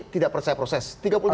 tidak percaya proses